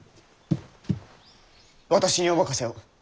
私にお任せを。